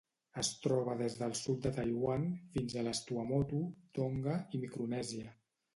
Es troba des del sud de Taiwan fins a les Tuamotu, Tonga i Micronèsia.